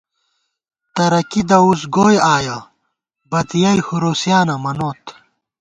تَرَکِی دؤس گوئی آیہ ، بتیَئ ہُرُوسیانہ منوت